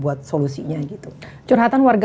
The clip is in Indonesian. buat solusinya gitu curhatan warga